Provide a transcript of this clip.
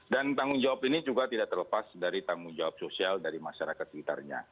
dan tanggung jawab ini juga tidak terlepas dari tanggung jawab sosial dari masyarakat sekitarnya